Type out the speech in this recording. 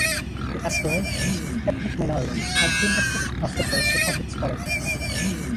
The aspirations of ethnic minorities had been the pivot of the First Republic's politics.